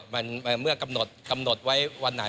เมื่อกำหนดไว้วันไหน